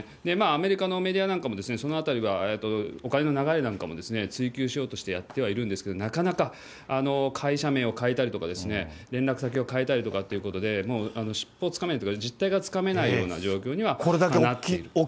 アメリカのメディアなんかも、そのあたりは、お金の流れなんかも追及しようとしてやってはいるんですが、なかなか会社名を変えたりとか、連絡先を変えたりということで、尻尾をつかめないというか、実態がつかめないような状況にはなっていると。